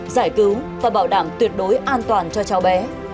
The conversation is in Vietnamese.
giải cứu và bảo đảm tuyệt đối an toàn cho cháu bé